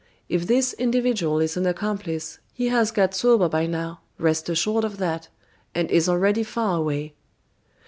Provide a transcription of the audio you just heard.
"If this individual is an accomplice, he has got sober by now rest assured of that, and is already far away."